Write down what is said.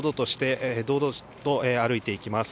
堂々と歩いていきます。